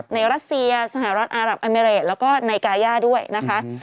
รัสเซียสหรัฐอารับอเมริดแล้วก็ไนกายาด้วยนะคะ